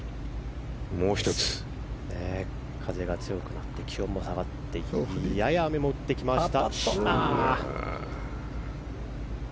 風が強くなって気温も下がってやや雨も降ってきました。